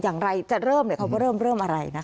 อย่างไรจะเริ่มเขาบอกว่าเริ่มอะไรนะ